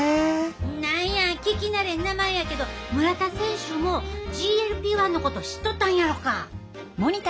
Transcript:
何や聞き慣れん名前やけど村田選手もＧＬＰ−１のこと知っとったんやろか？